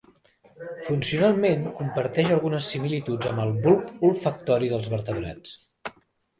Funcionalment, comparteix algunes similituds amb el bulb olfactori dels vertebrats.